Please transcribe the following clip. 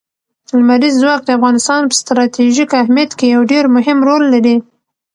لمریز ځواک د افغانستان په ستراتیژیک اهمیت کې یو ډېر مهم رول لري.